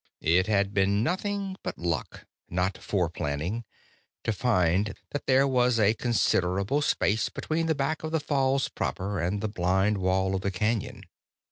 It had been nothing but luck, not foreplanning, to find that there was a considerable space between the back of the falls proper and the blind wall of the canyon.